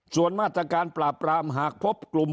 ส่วนมาตรการปราบปรามหากพบกลุ่ม